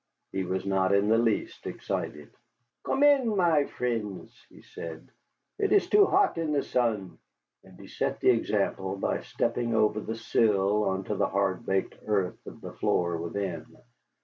He was not in the least excited. "Come in, my frens," he said; "it is too hot in the sun." And he set the example by stepping over the sill on to the hard baked earth of the floor within.